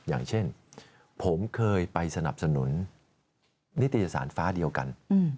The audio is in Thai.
อย่างเช่นผมเคยไปสนับสนุนนิตยสารฟ้าเดียวกัน